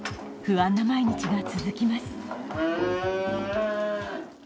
不安な毎日が続きます。